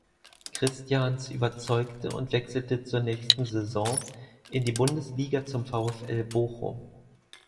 Christians überzeugte und wechselte zur nächsten Saison in die Bundesliga zum VfL Bochum.